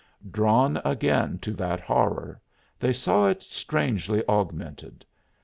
Drawn again to that horror, they saw it strangely augmented.